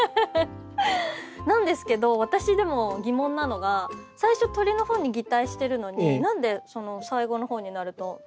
なんですけど私でも疑問なのが最初鳥のふんに擬態してるのに何で最後のほうになると緑に。